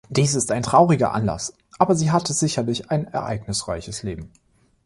Dies ist ein trauriger Anlass, aber sie hatte sicherlich ein ereignisreiches Leben.